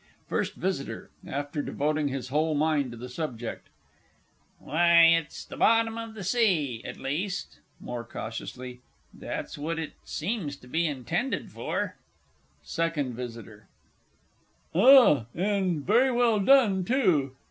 _ FIRST VISITOR (after devoting his whole mind to the subject). Why, it's the Bottom of the Sea at least (more cautiously), that's what it seems to be intended for. SECOND V. Ah, and very well done, too.